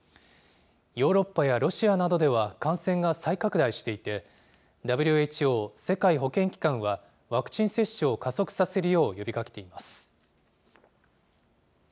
ヨーロッパやロシアなどでは感染が再拡大していて、ＷＨＯ・世界保健機関は、ワクチン接種を加速させるよう呼びかけています。